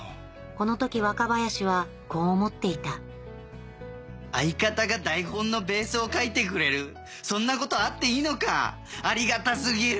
この時若林はこう思っていた相方が台本のベースを書いてくれる⁉そんなことあっていいのか⁉ありがた過ぎる！